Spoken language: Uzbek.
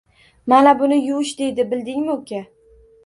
Mana buni yuvish, deydi bildingmi uka